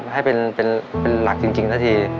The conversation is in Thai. ให้เป็นหลักจริงสักที